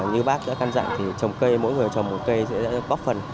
như bác đã can dặn thì trồng cây mỗi người trồng một cây sẽ có phần